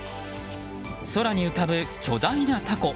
空に浮かぶ巨大なたこ。